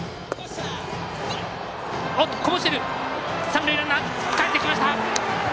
三塁ランナー、かえってきました。